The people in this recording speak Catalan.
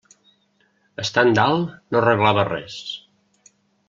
Estant dalt no arreglava res.